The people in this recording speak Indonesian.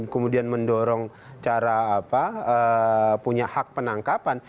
kemudian mendorong cara punya hak penangkapan